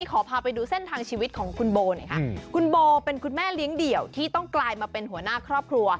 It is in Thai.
ขอพาไปดูเส้นทางชีวิตของคุณโบหน่อยค่ะคุณโบเป็นคุณแม่เลี้ยงเดี่ยวที่ต้องกลายมาเป็นหัวหน้าครอบครัว